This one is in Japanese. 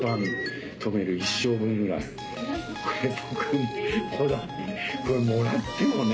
これもらこれもらってもね。